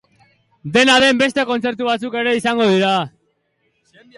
Dena den, beste kontzertu batzuk ere izango dira.